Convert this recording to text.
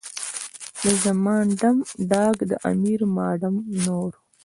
د زمان ډم، ډاګ، د امیر ما ډم نور.